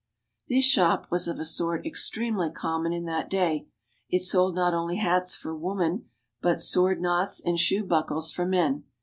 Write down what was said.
This shop was of a sort extremely common in that day. It sold not only hats for woman, but sword knots and shoe buckles for men.